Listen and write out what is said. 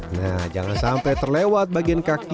nah jangan sampai terlewat bagian kaki